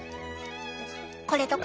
これとか？